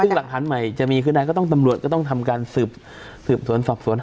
ซึ่งหลักฐานใหม่จะมีคือใดก็ต้องตำรวจก็ต้องทำการสืบสวนสอบสวน